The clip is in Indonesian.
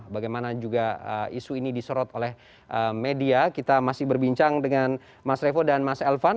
bagaimana juga isu ini disorot oleh media kita masih berbincang dengan mas revo dan mas elvan